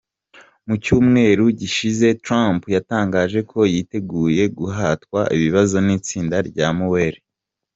Mu cyumweru gishize Trump yatangaje ko yiteguye guhatwa ibibazo n’itsinda rya Mueller.